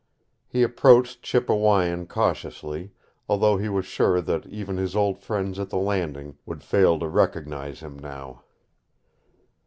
He approached Chippewyan cautiously, although he was sure that even his old friends at the Landing would fail to recognize him now.